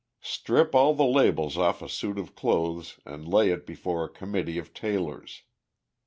Strip all the labels off a suit of clothes and lay it before a committee of tailors.